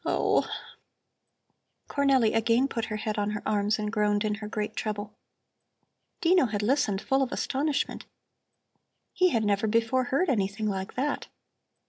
Oh!" Cornelli again put her head on her arms and groaned in her great trouble. Dino had listened, full of astonishment. He had never before heard anything like that.